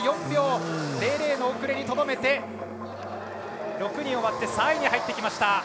４秒００の遅れにとどめて６人終わって３位に入りました。